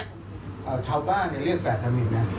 อ่ะทาวบ้านเนี่ยเรียกแฟดทำมินนะ